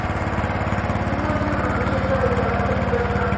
Esta última cronología es la que adopta el "Liber pontificalis".